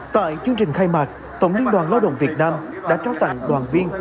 tại chương trình khai mạc tổng liên đoàn lao động việt nam đã trao tặng đoàn viên